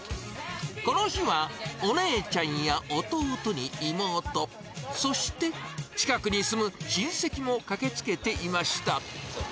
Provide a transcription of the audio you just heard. この日は、お姉ちゃんや弟に妹、そして近くに住む親戚も駆けつけていました。